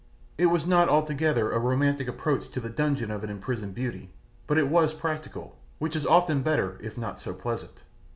It was not altogether a romantic approach to the dungeon of an imprisoned beauty, but it was practical, which is often better if not so pleasant.